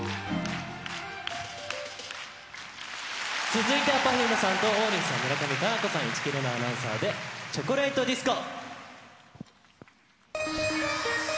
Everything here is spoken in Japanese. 続いてはＰｅｒｆｕｍｅさんと王林さん、村上佳菜子さん、市來玲奈アナウンサーで、チョコレイト・ディスコ。